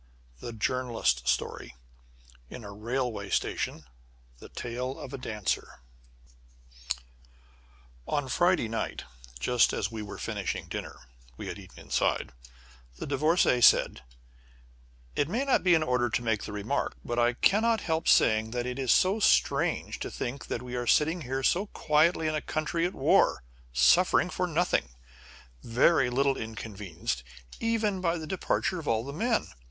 VIII THE JOURNALIST'S STORY IN A RAILWAY STATION THE TALE OF A DANCER On Friday night, just as we were finishing dinner we had eaten inside the Divorcée said: "It may not be in order to make the remark, but I cannot help saying that it is so strange to think that we are sitting here so quietly in a country at war, suffering for nothing, very little inconvenienced, even by the departure of all the men.